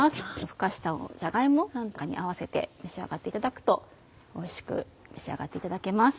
ふかしたじゃが芋なんかに合わせて召し上がっていただくとおいしく召し上がっていただけます。